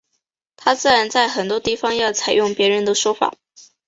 他自然在很多地方要采用别人的说法。